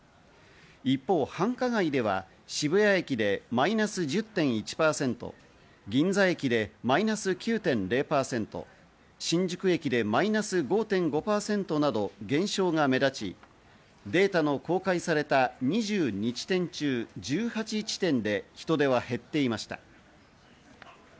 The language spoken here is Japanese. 一方、繁華街では渋谷駅でマイナス１０．１％、銀座駅でマイナス９．０％、新宿駅でマイナス５．５％など減少が目立ち、データの公開された２２地点中１８地点で人出は減っていました。